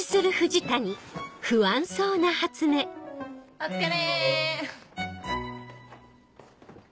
お疲れ！